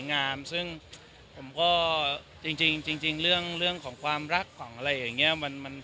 คือผมก็จริงเรื่องของครองรักของอะไรอย่างนี้